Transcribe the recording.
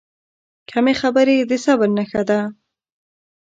کمې خبرې، د صبر نښه ده.